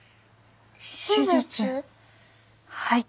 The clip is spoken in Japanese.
はい。